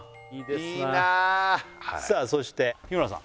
これさあそして日村さん